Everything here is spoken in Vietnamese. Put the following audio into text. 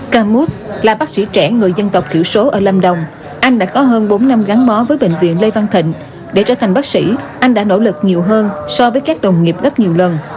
ca mút là bác sĩ trẻ người dân tộc thiểu số ở lâm đồng anh đã có hơn bốn năm gắn bó với bệnh viện lê văn thịnh để trở thành bác sĩ anh đã nỗ lực nhiều hơn so với các đồng nghiệp rất nhiều lần